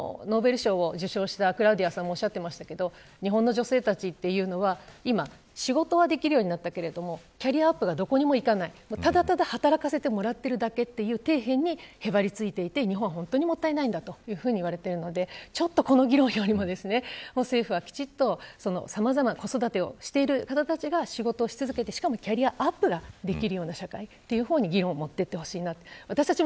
ノーベル賞受賞したクラウディアさんがおっしゃっていましたが日本の女性たちというのは仕事はできるようになったけどキャリアアップがどこに向かないただただ働かしてもらっているだけという底辺にへばりついていて、日本は本当にもったいないといわれているんでこの議論よりも政府はきちんと子育てをしている方たちが仕事をし続けてキャリアアップができるような社会の方に議論を持っていってほしいと。